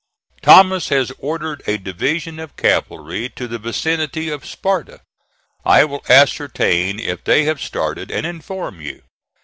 Thomas has ordered a division of cavalry to the vicinity of Sparta. I will ascertain if they have started, and inform you.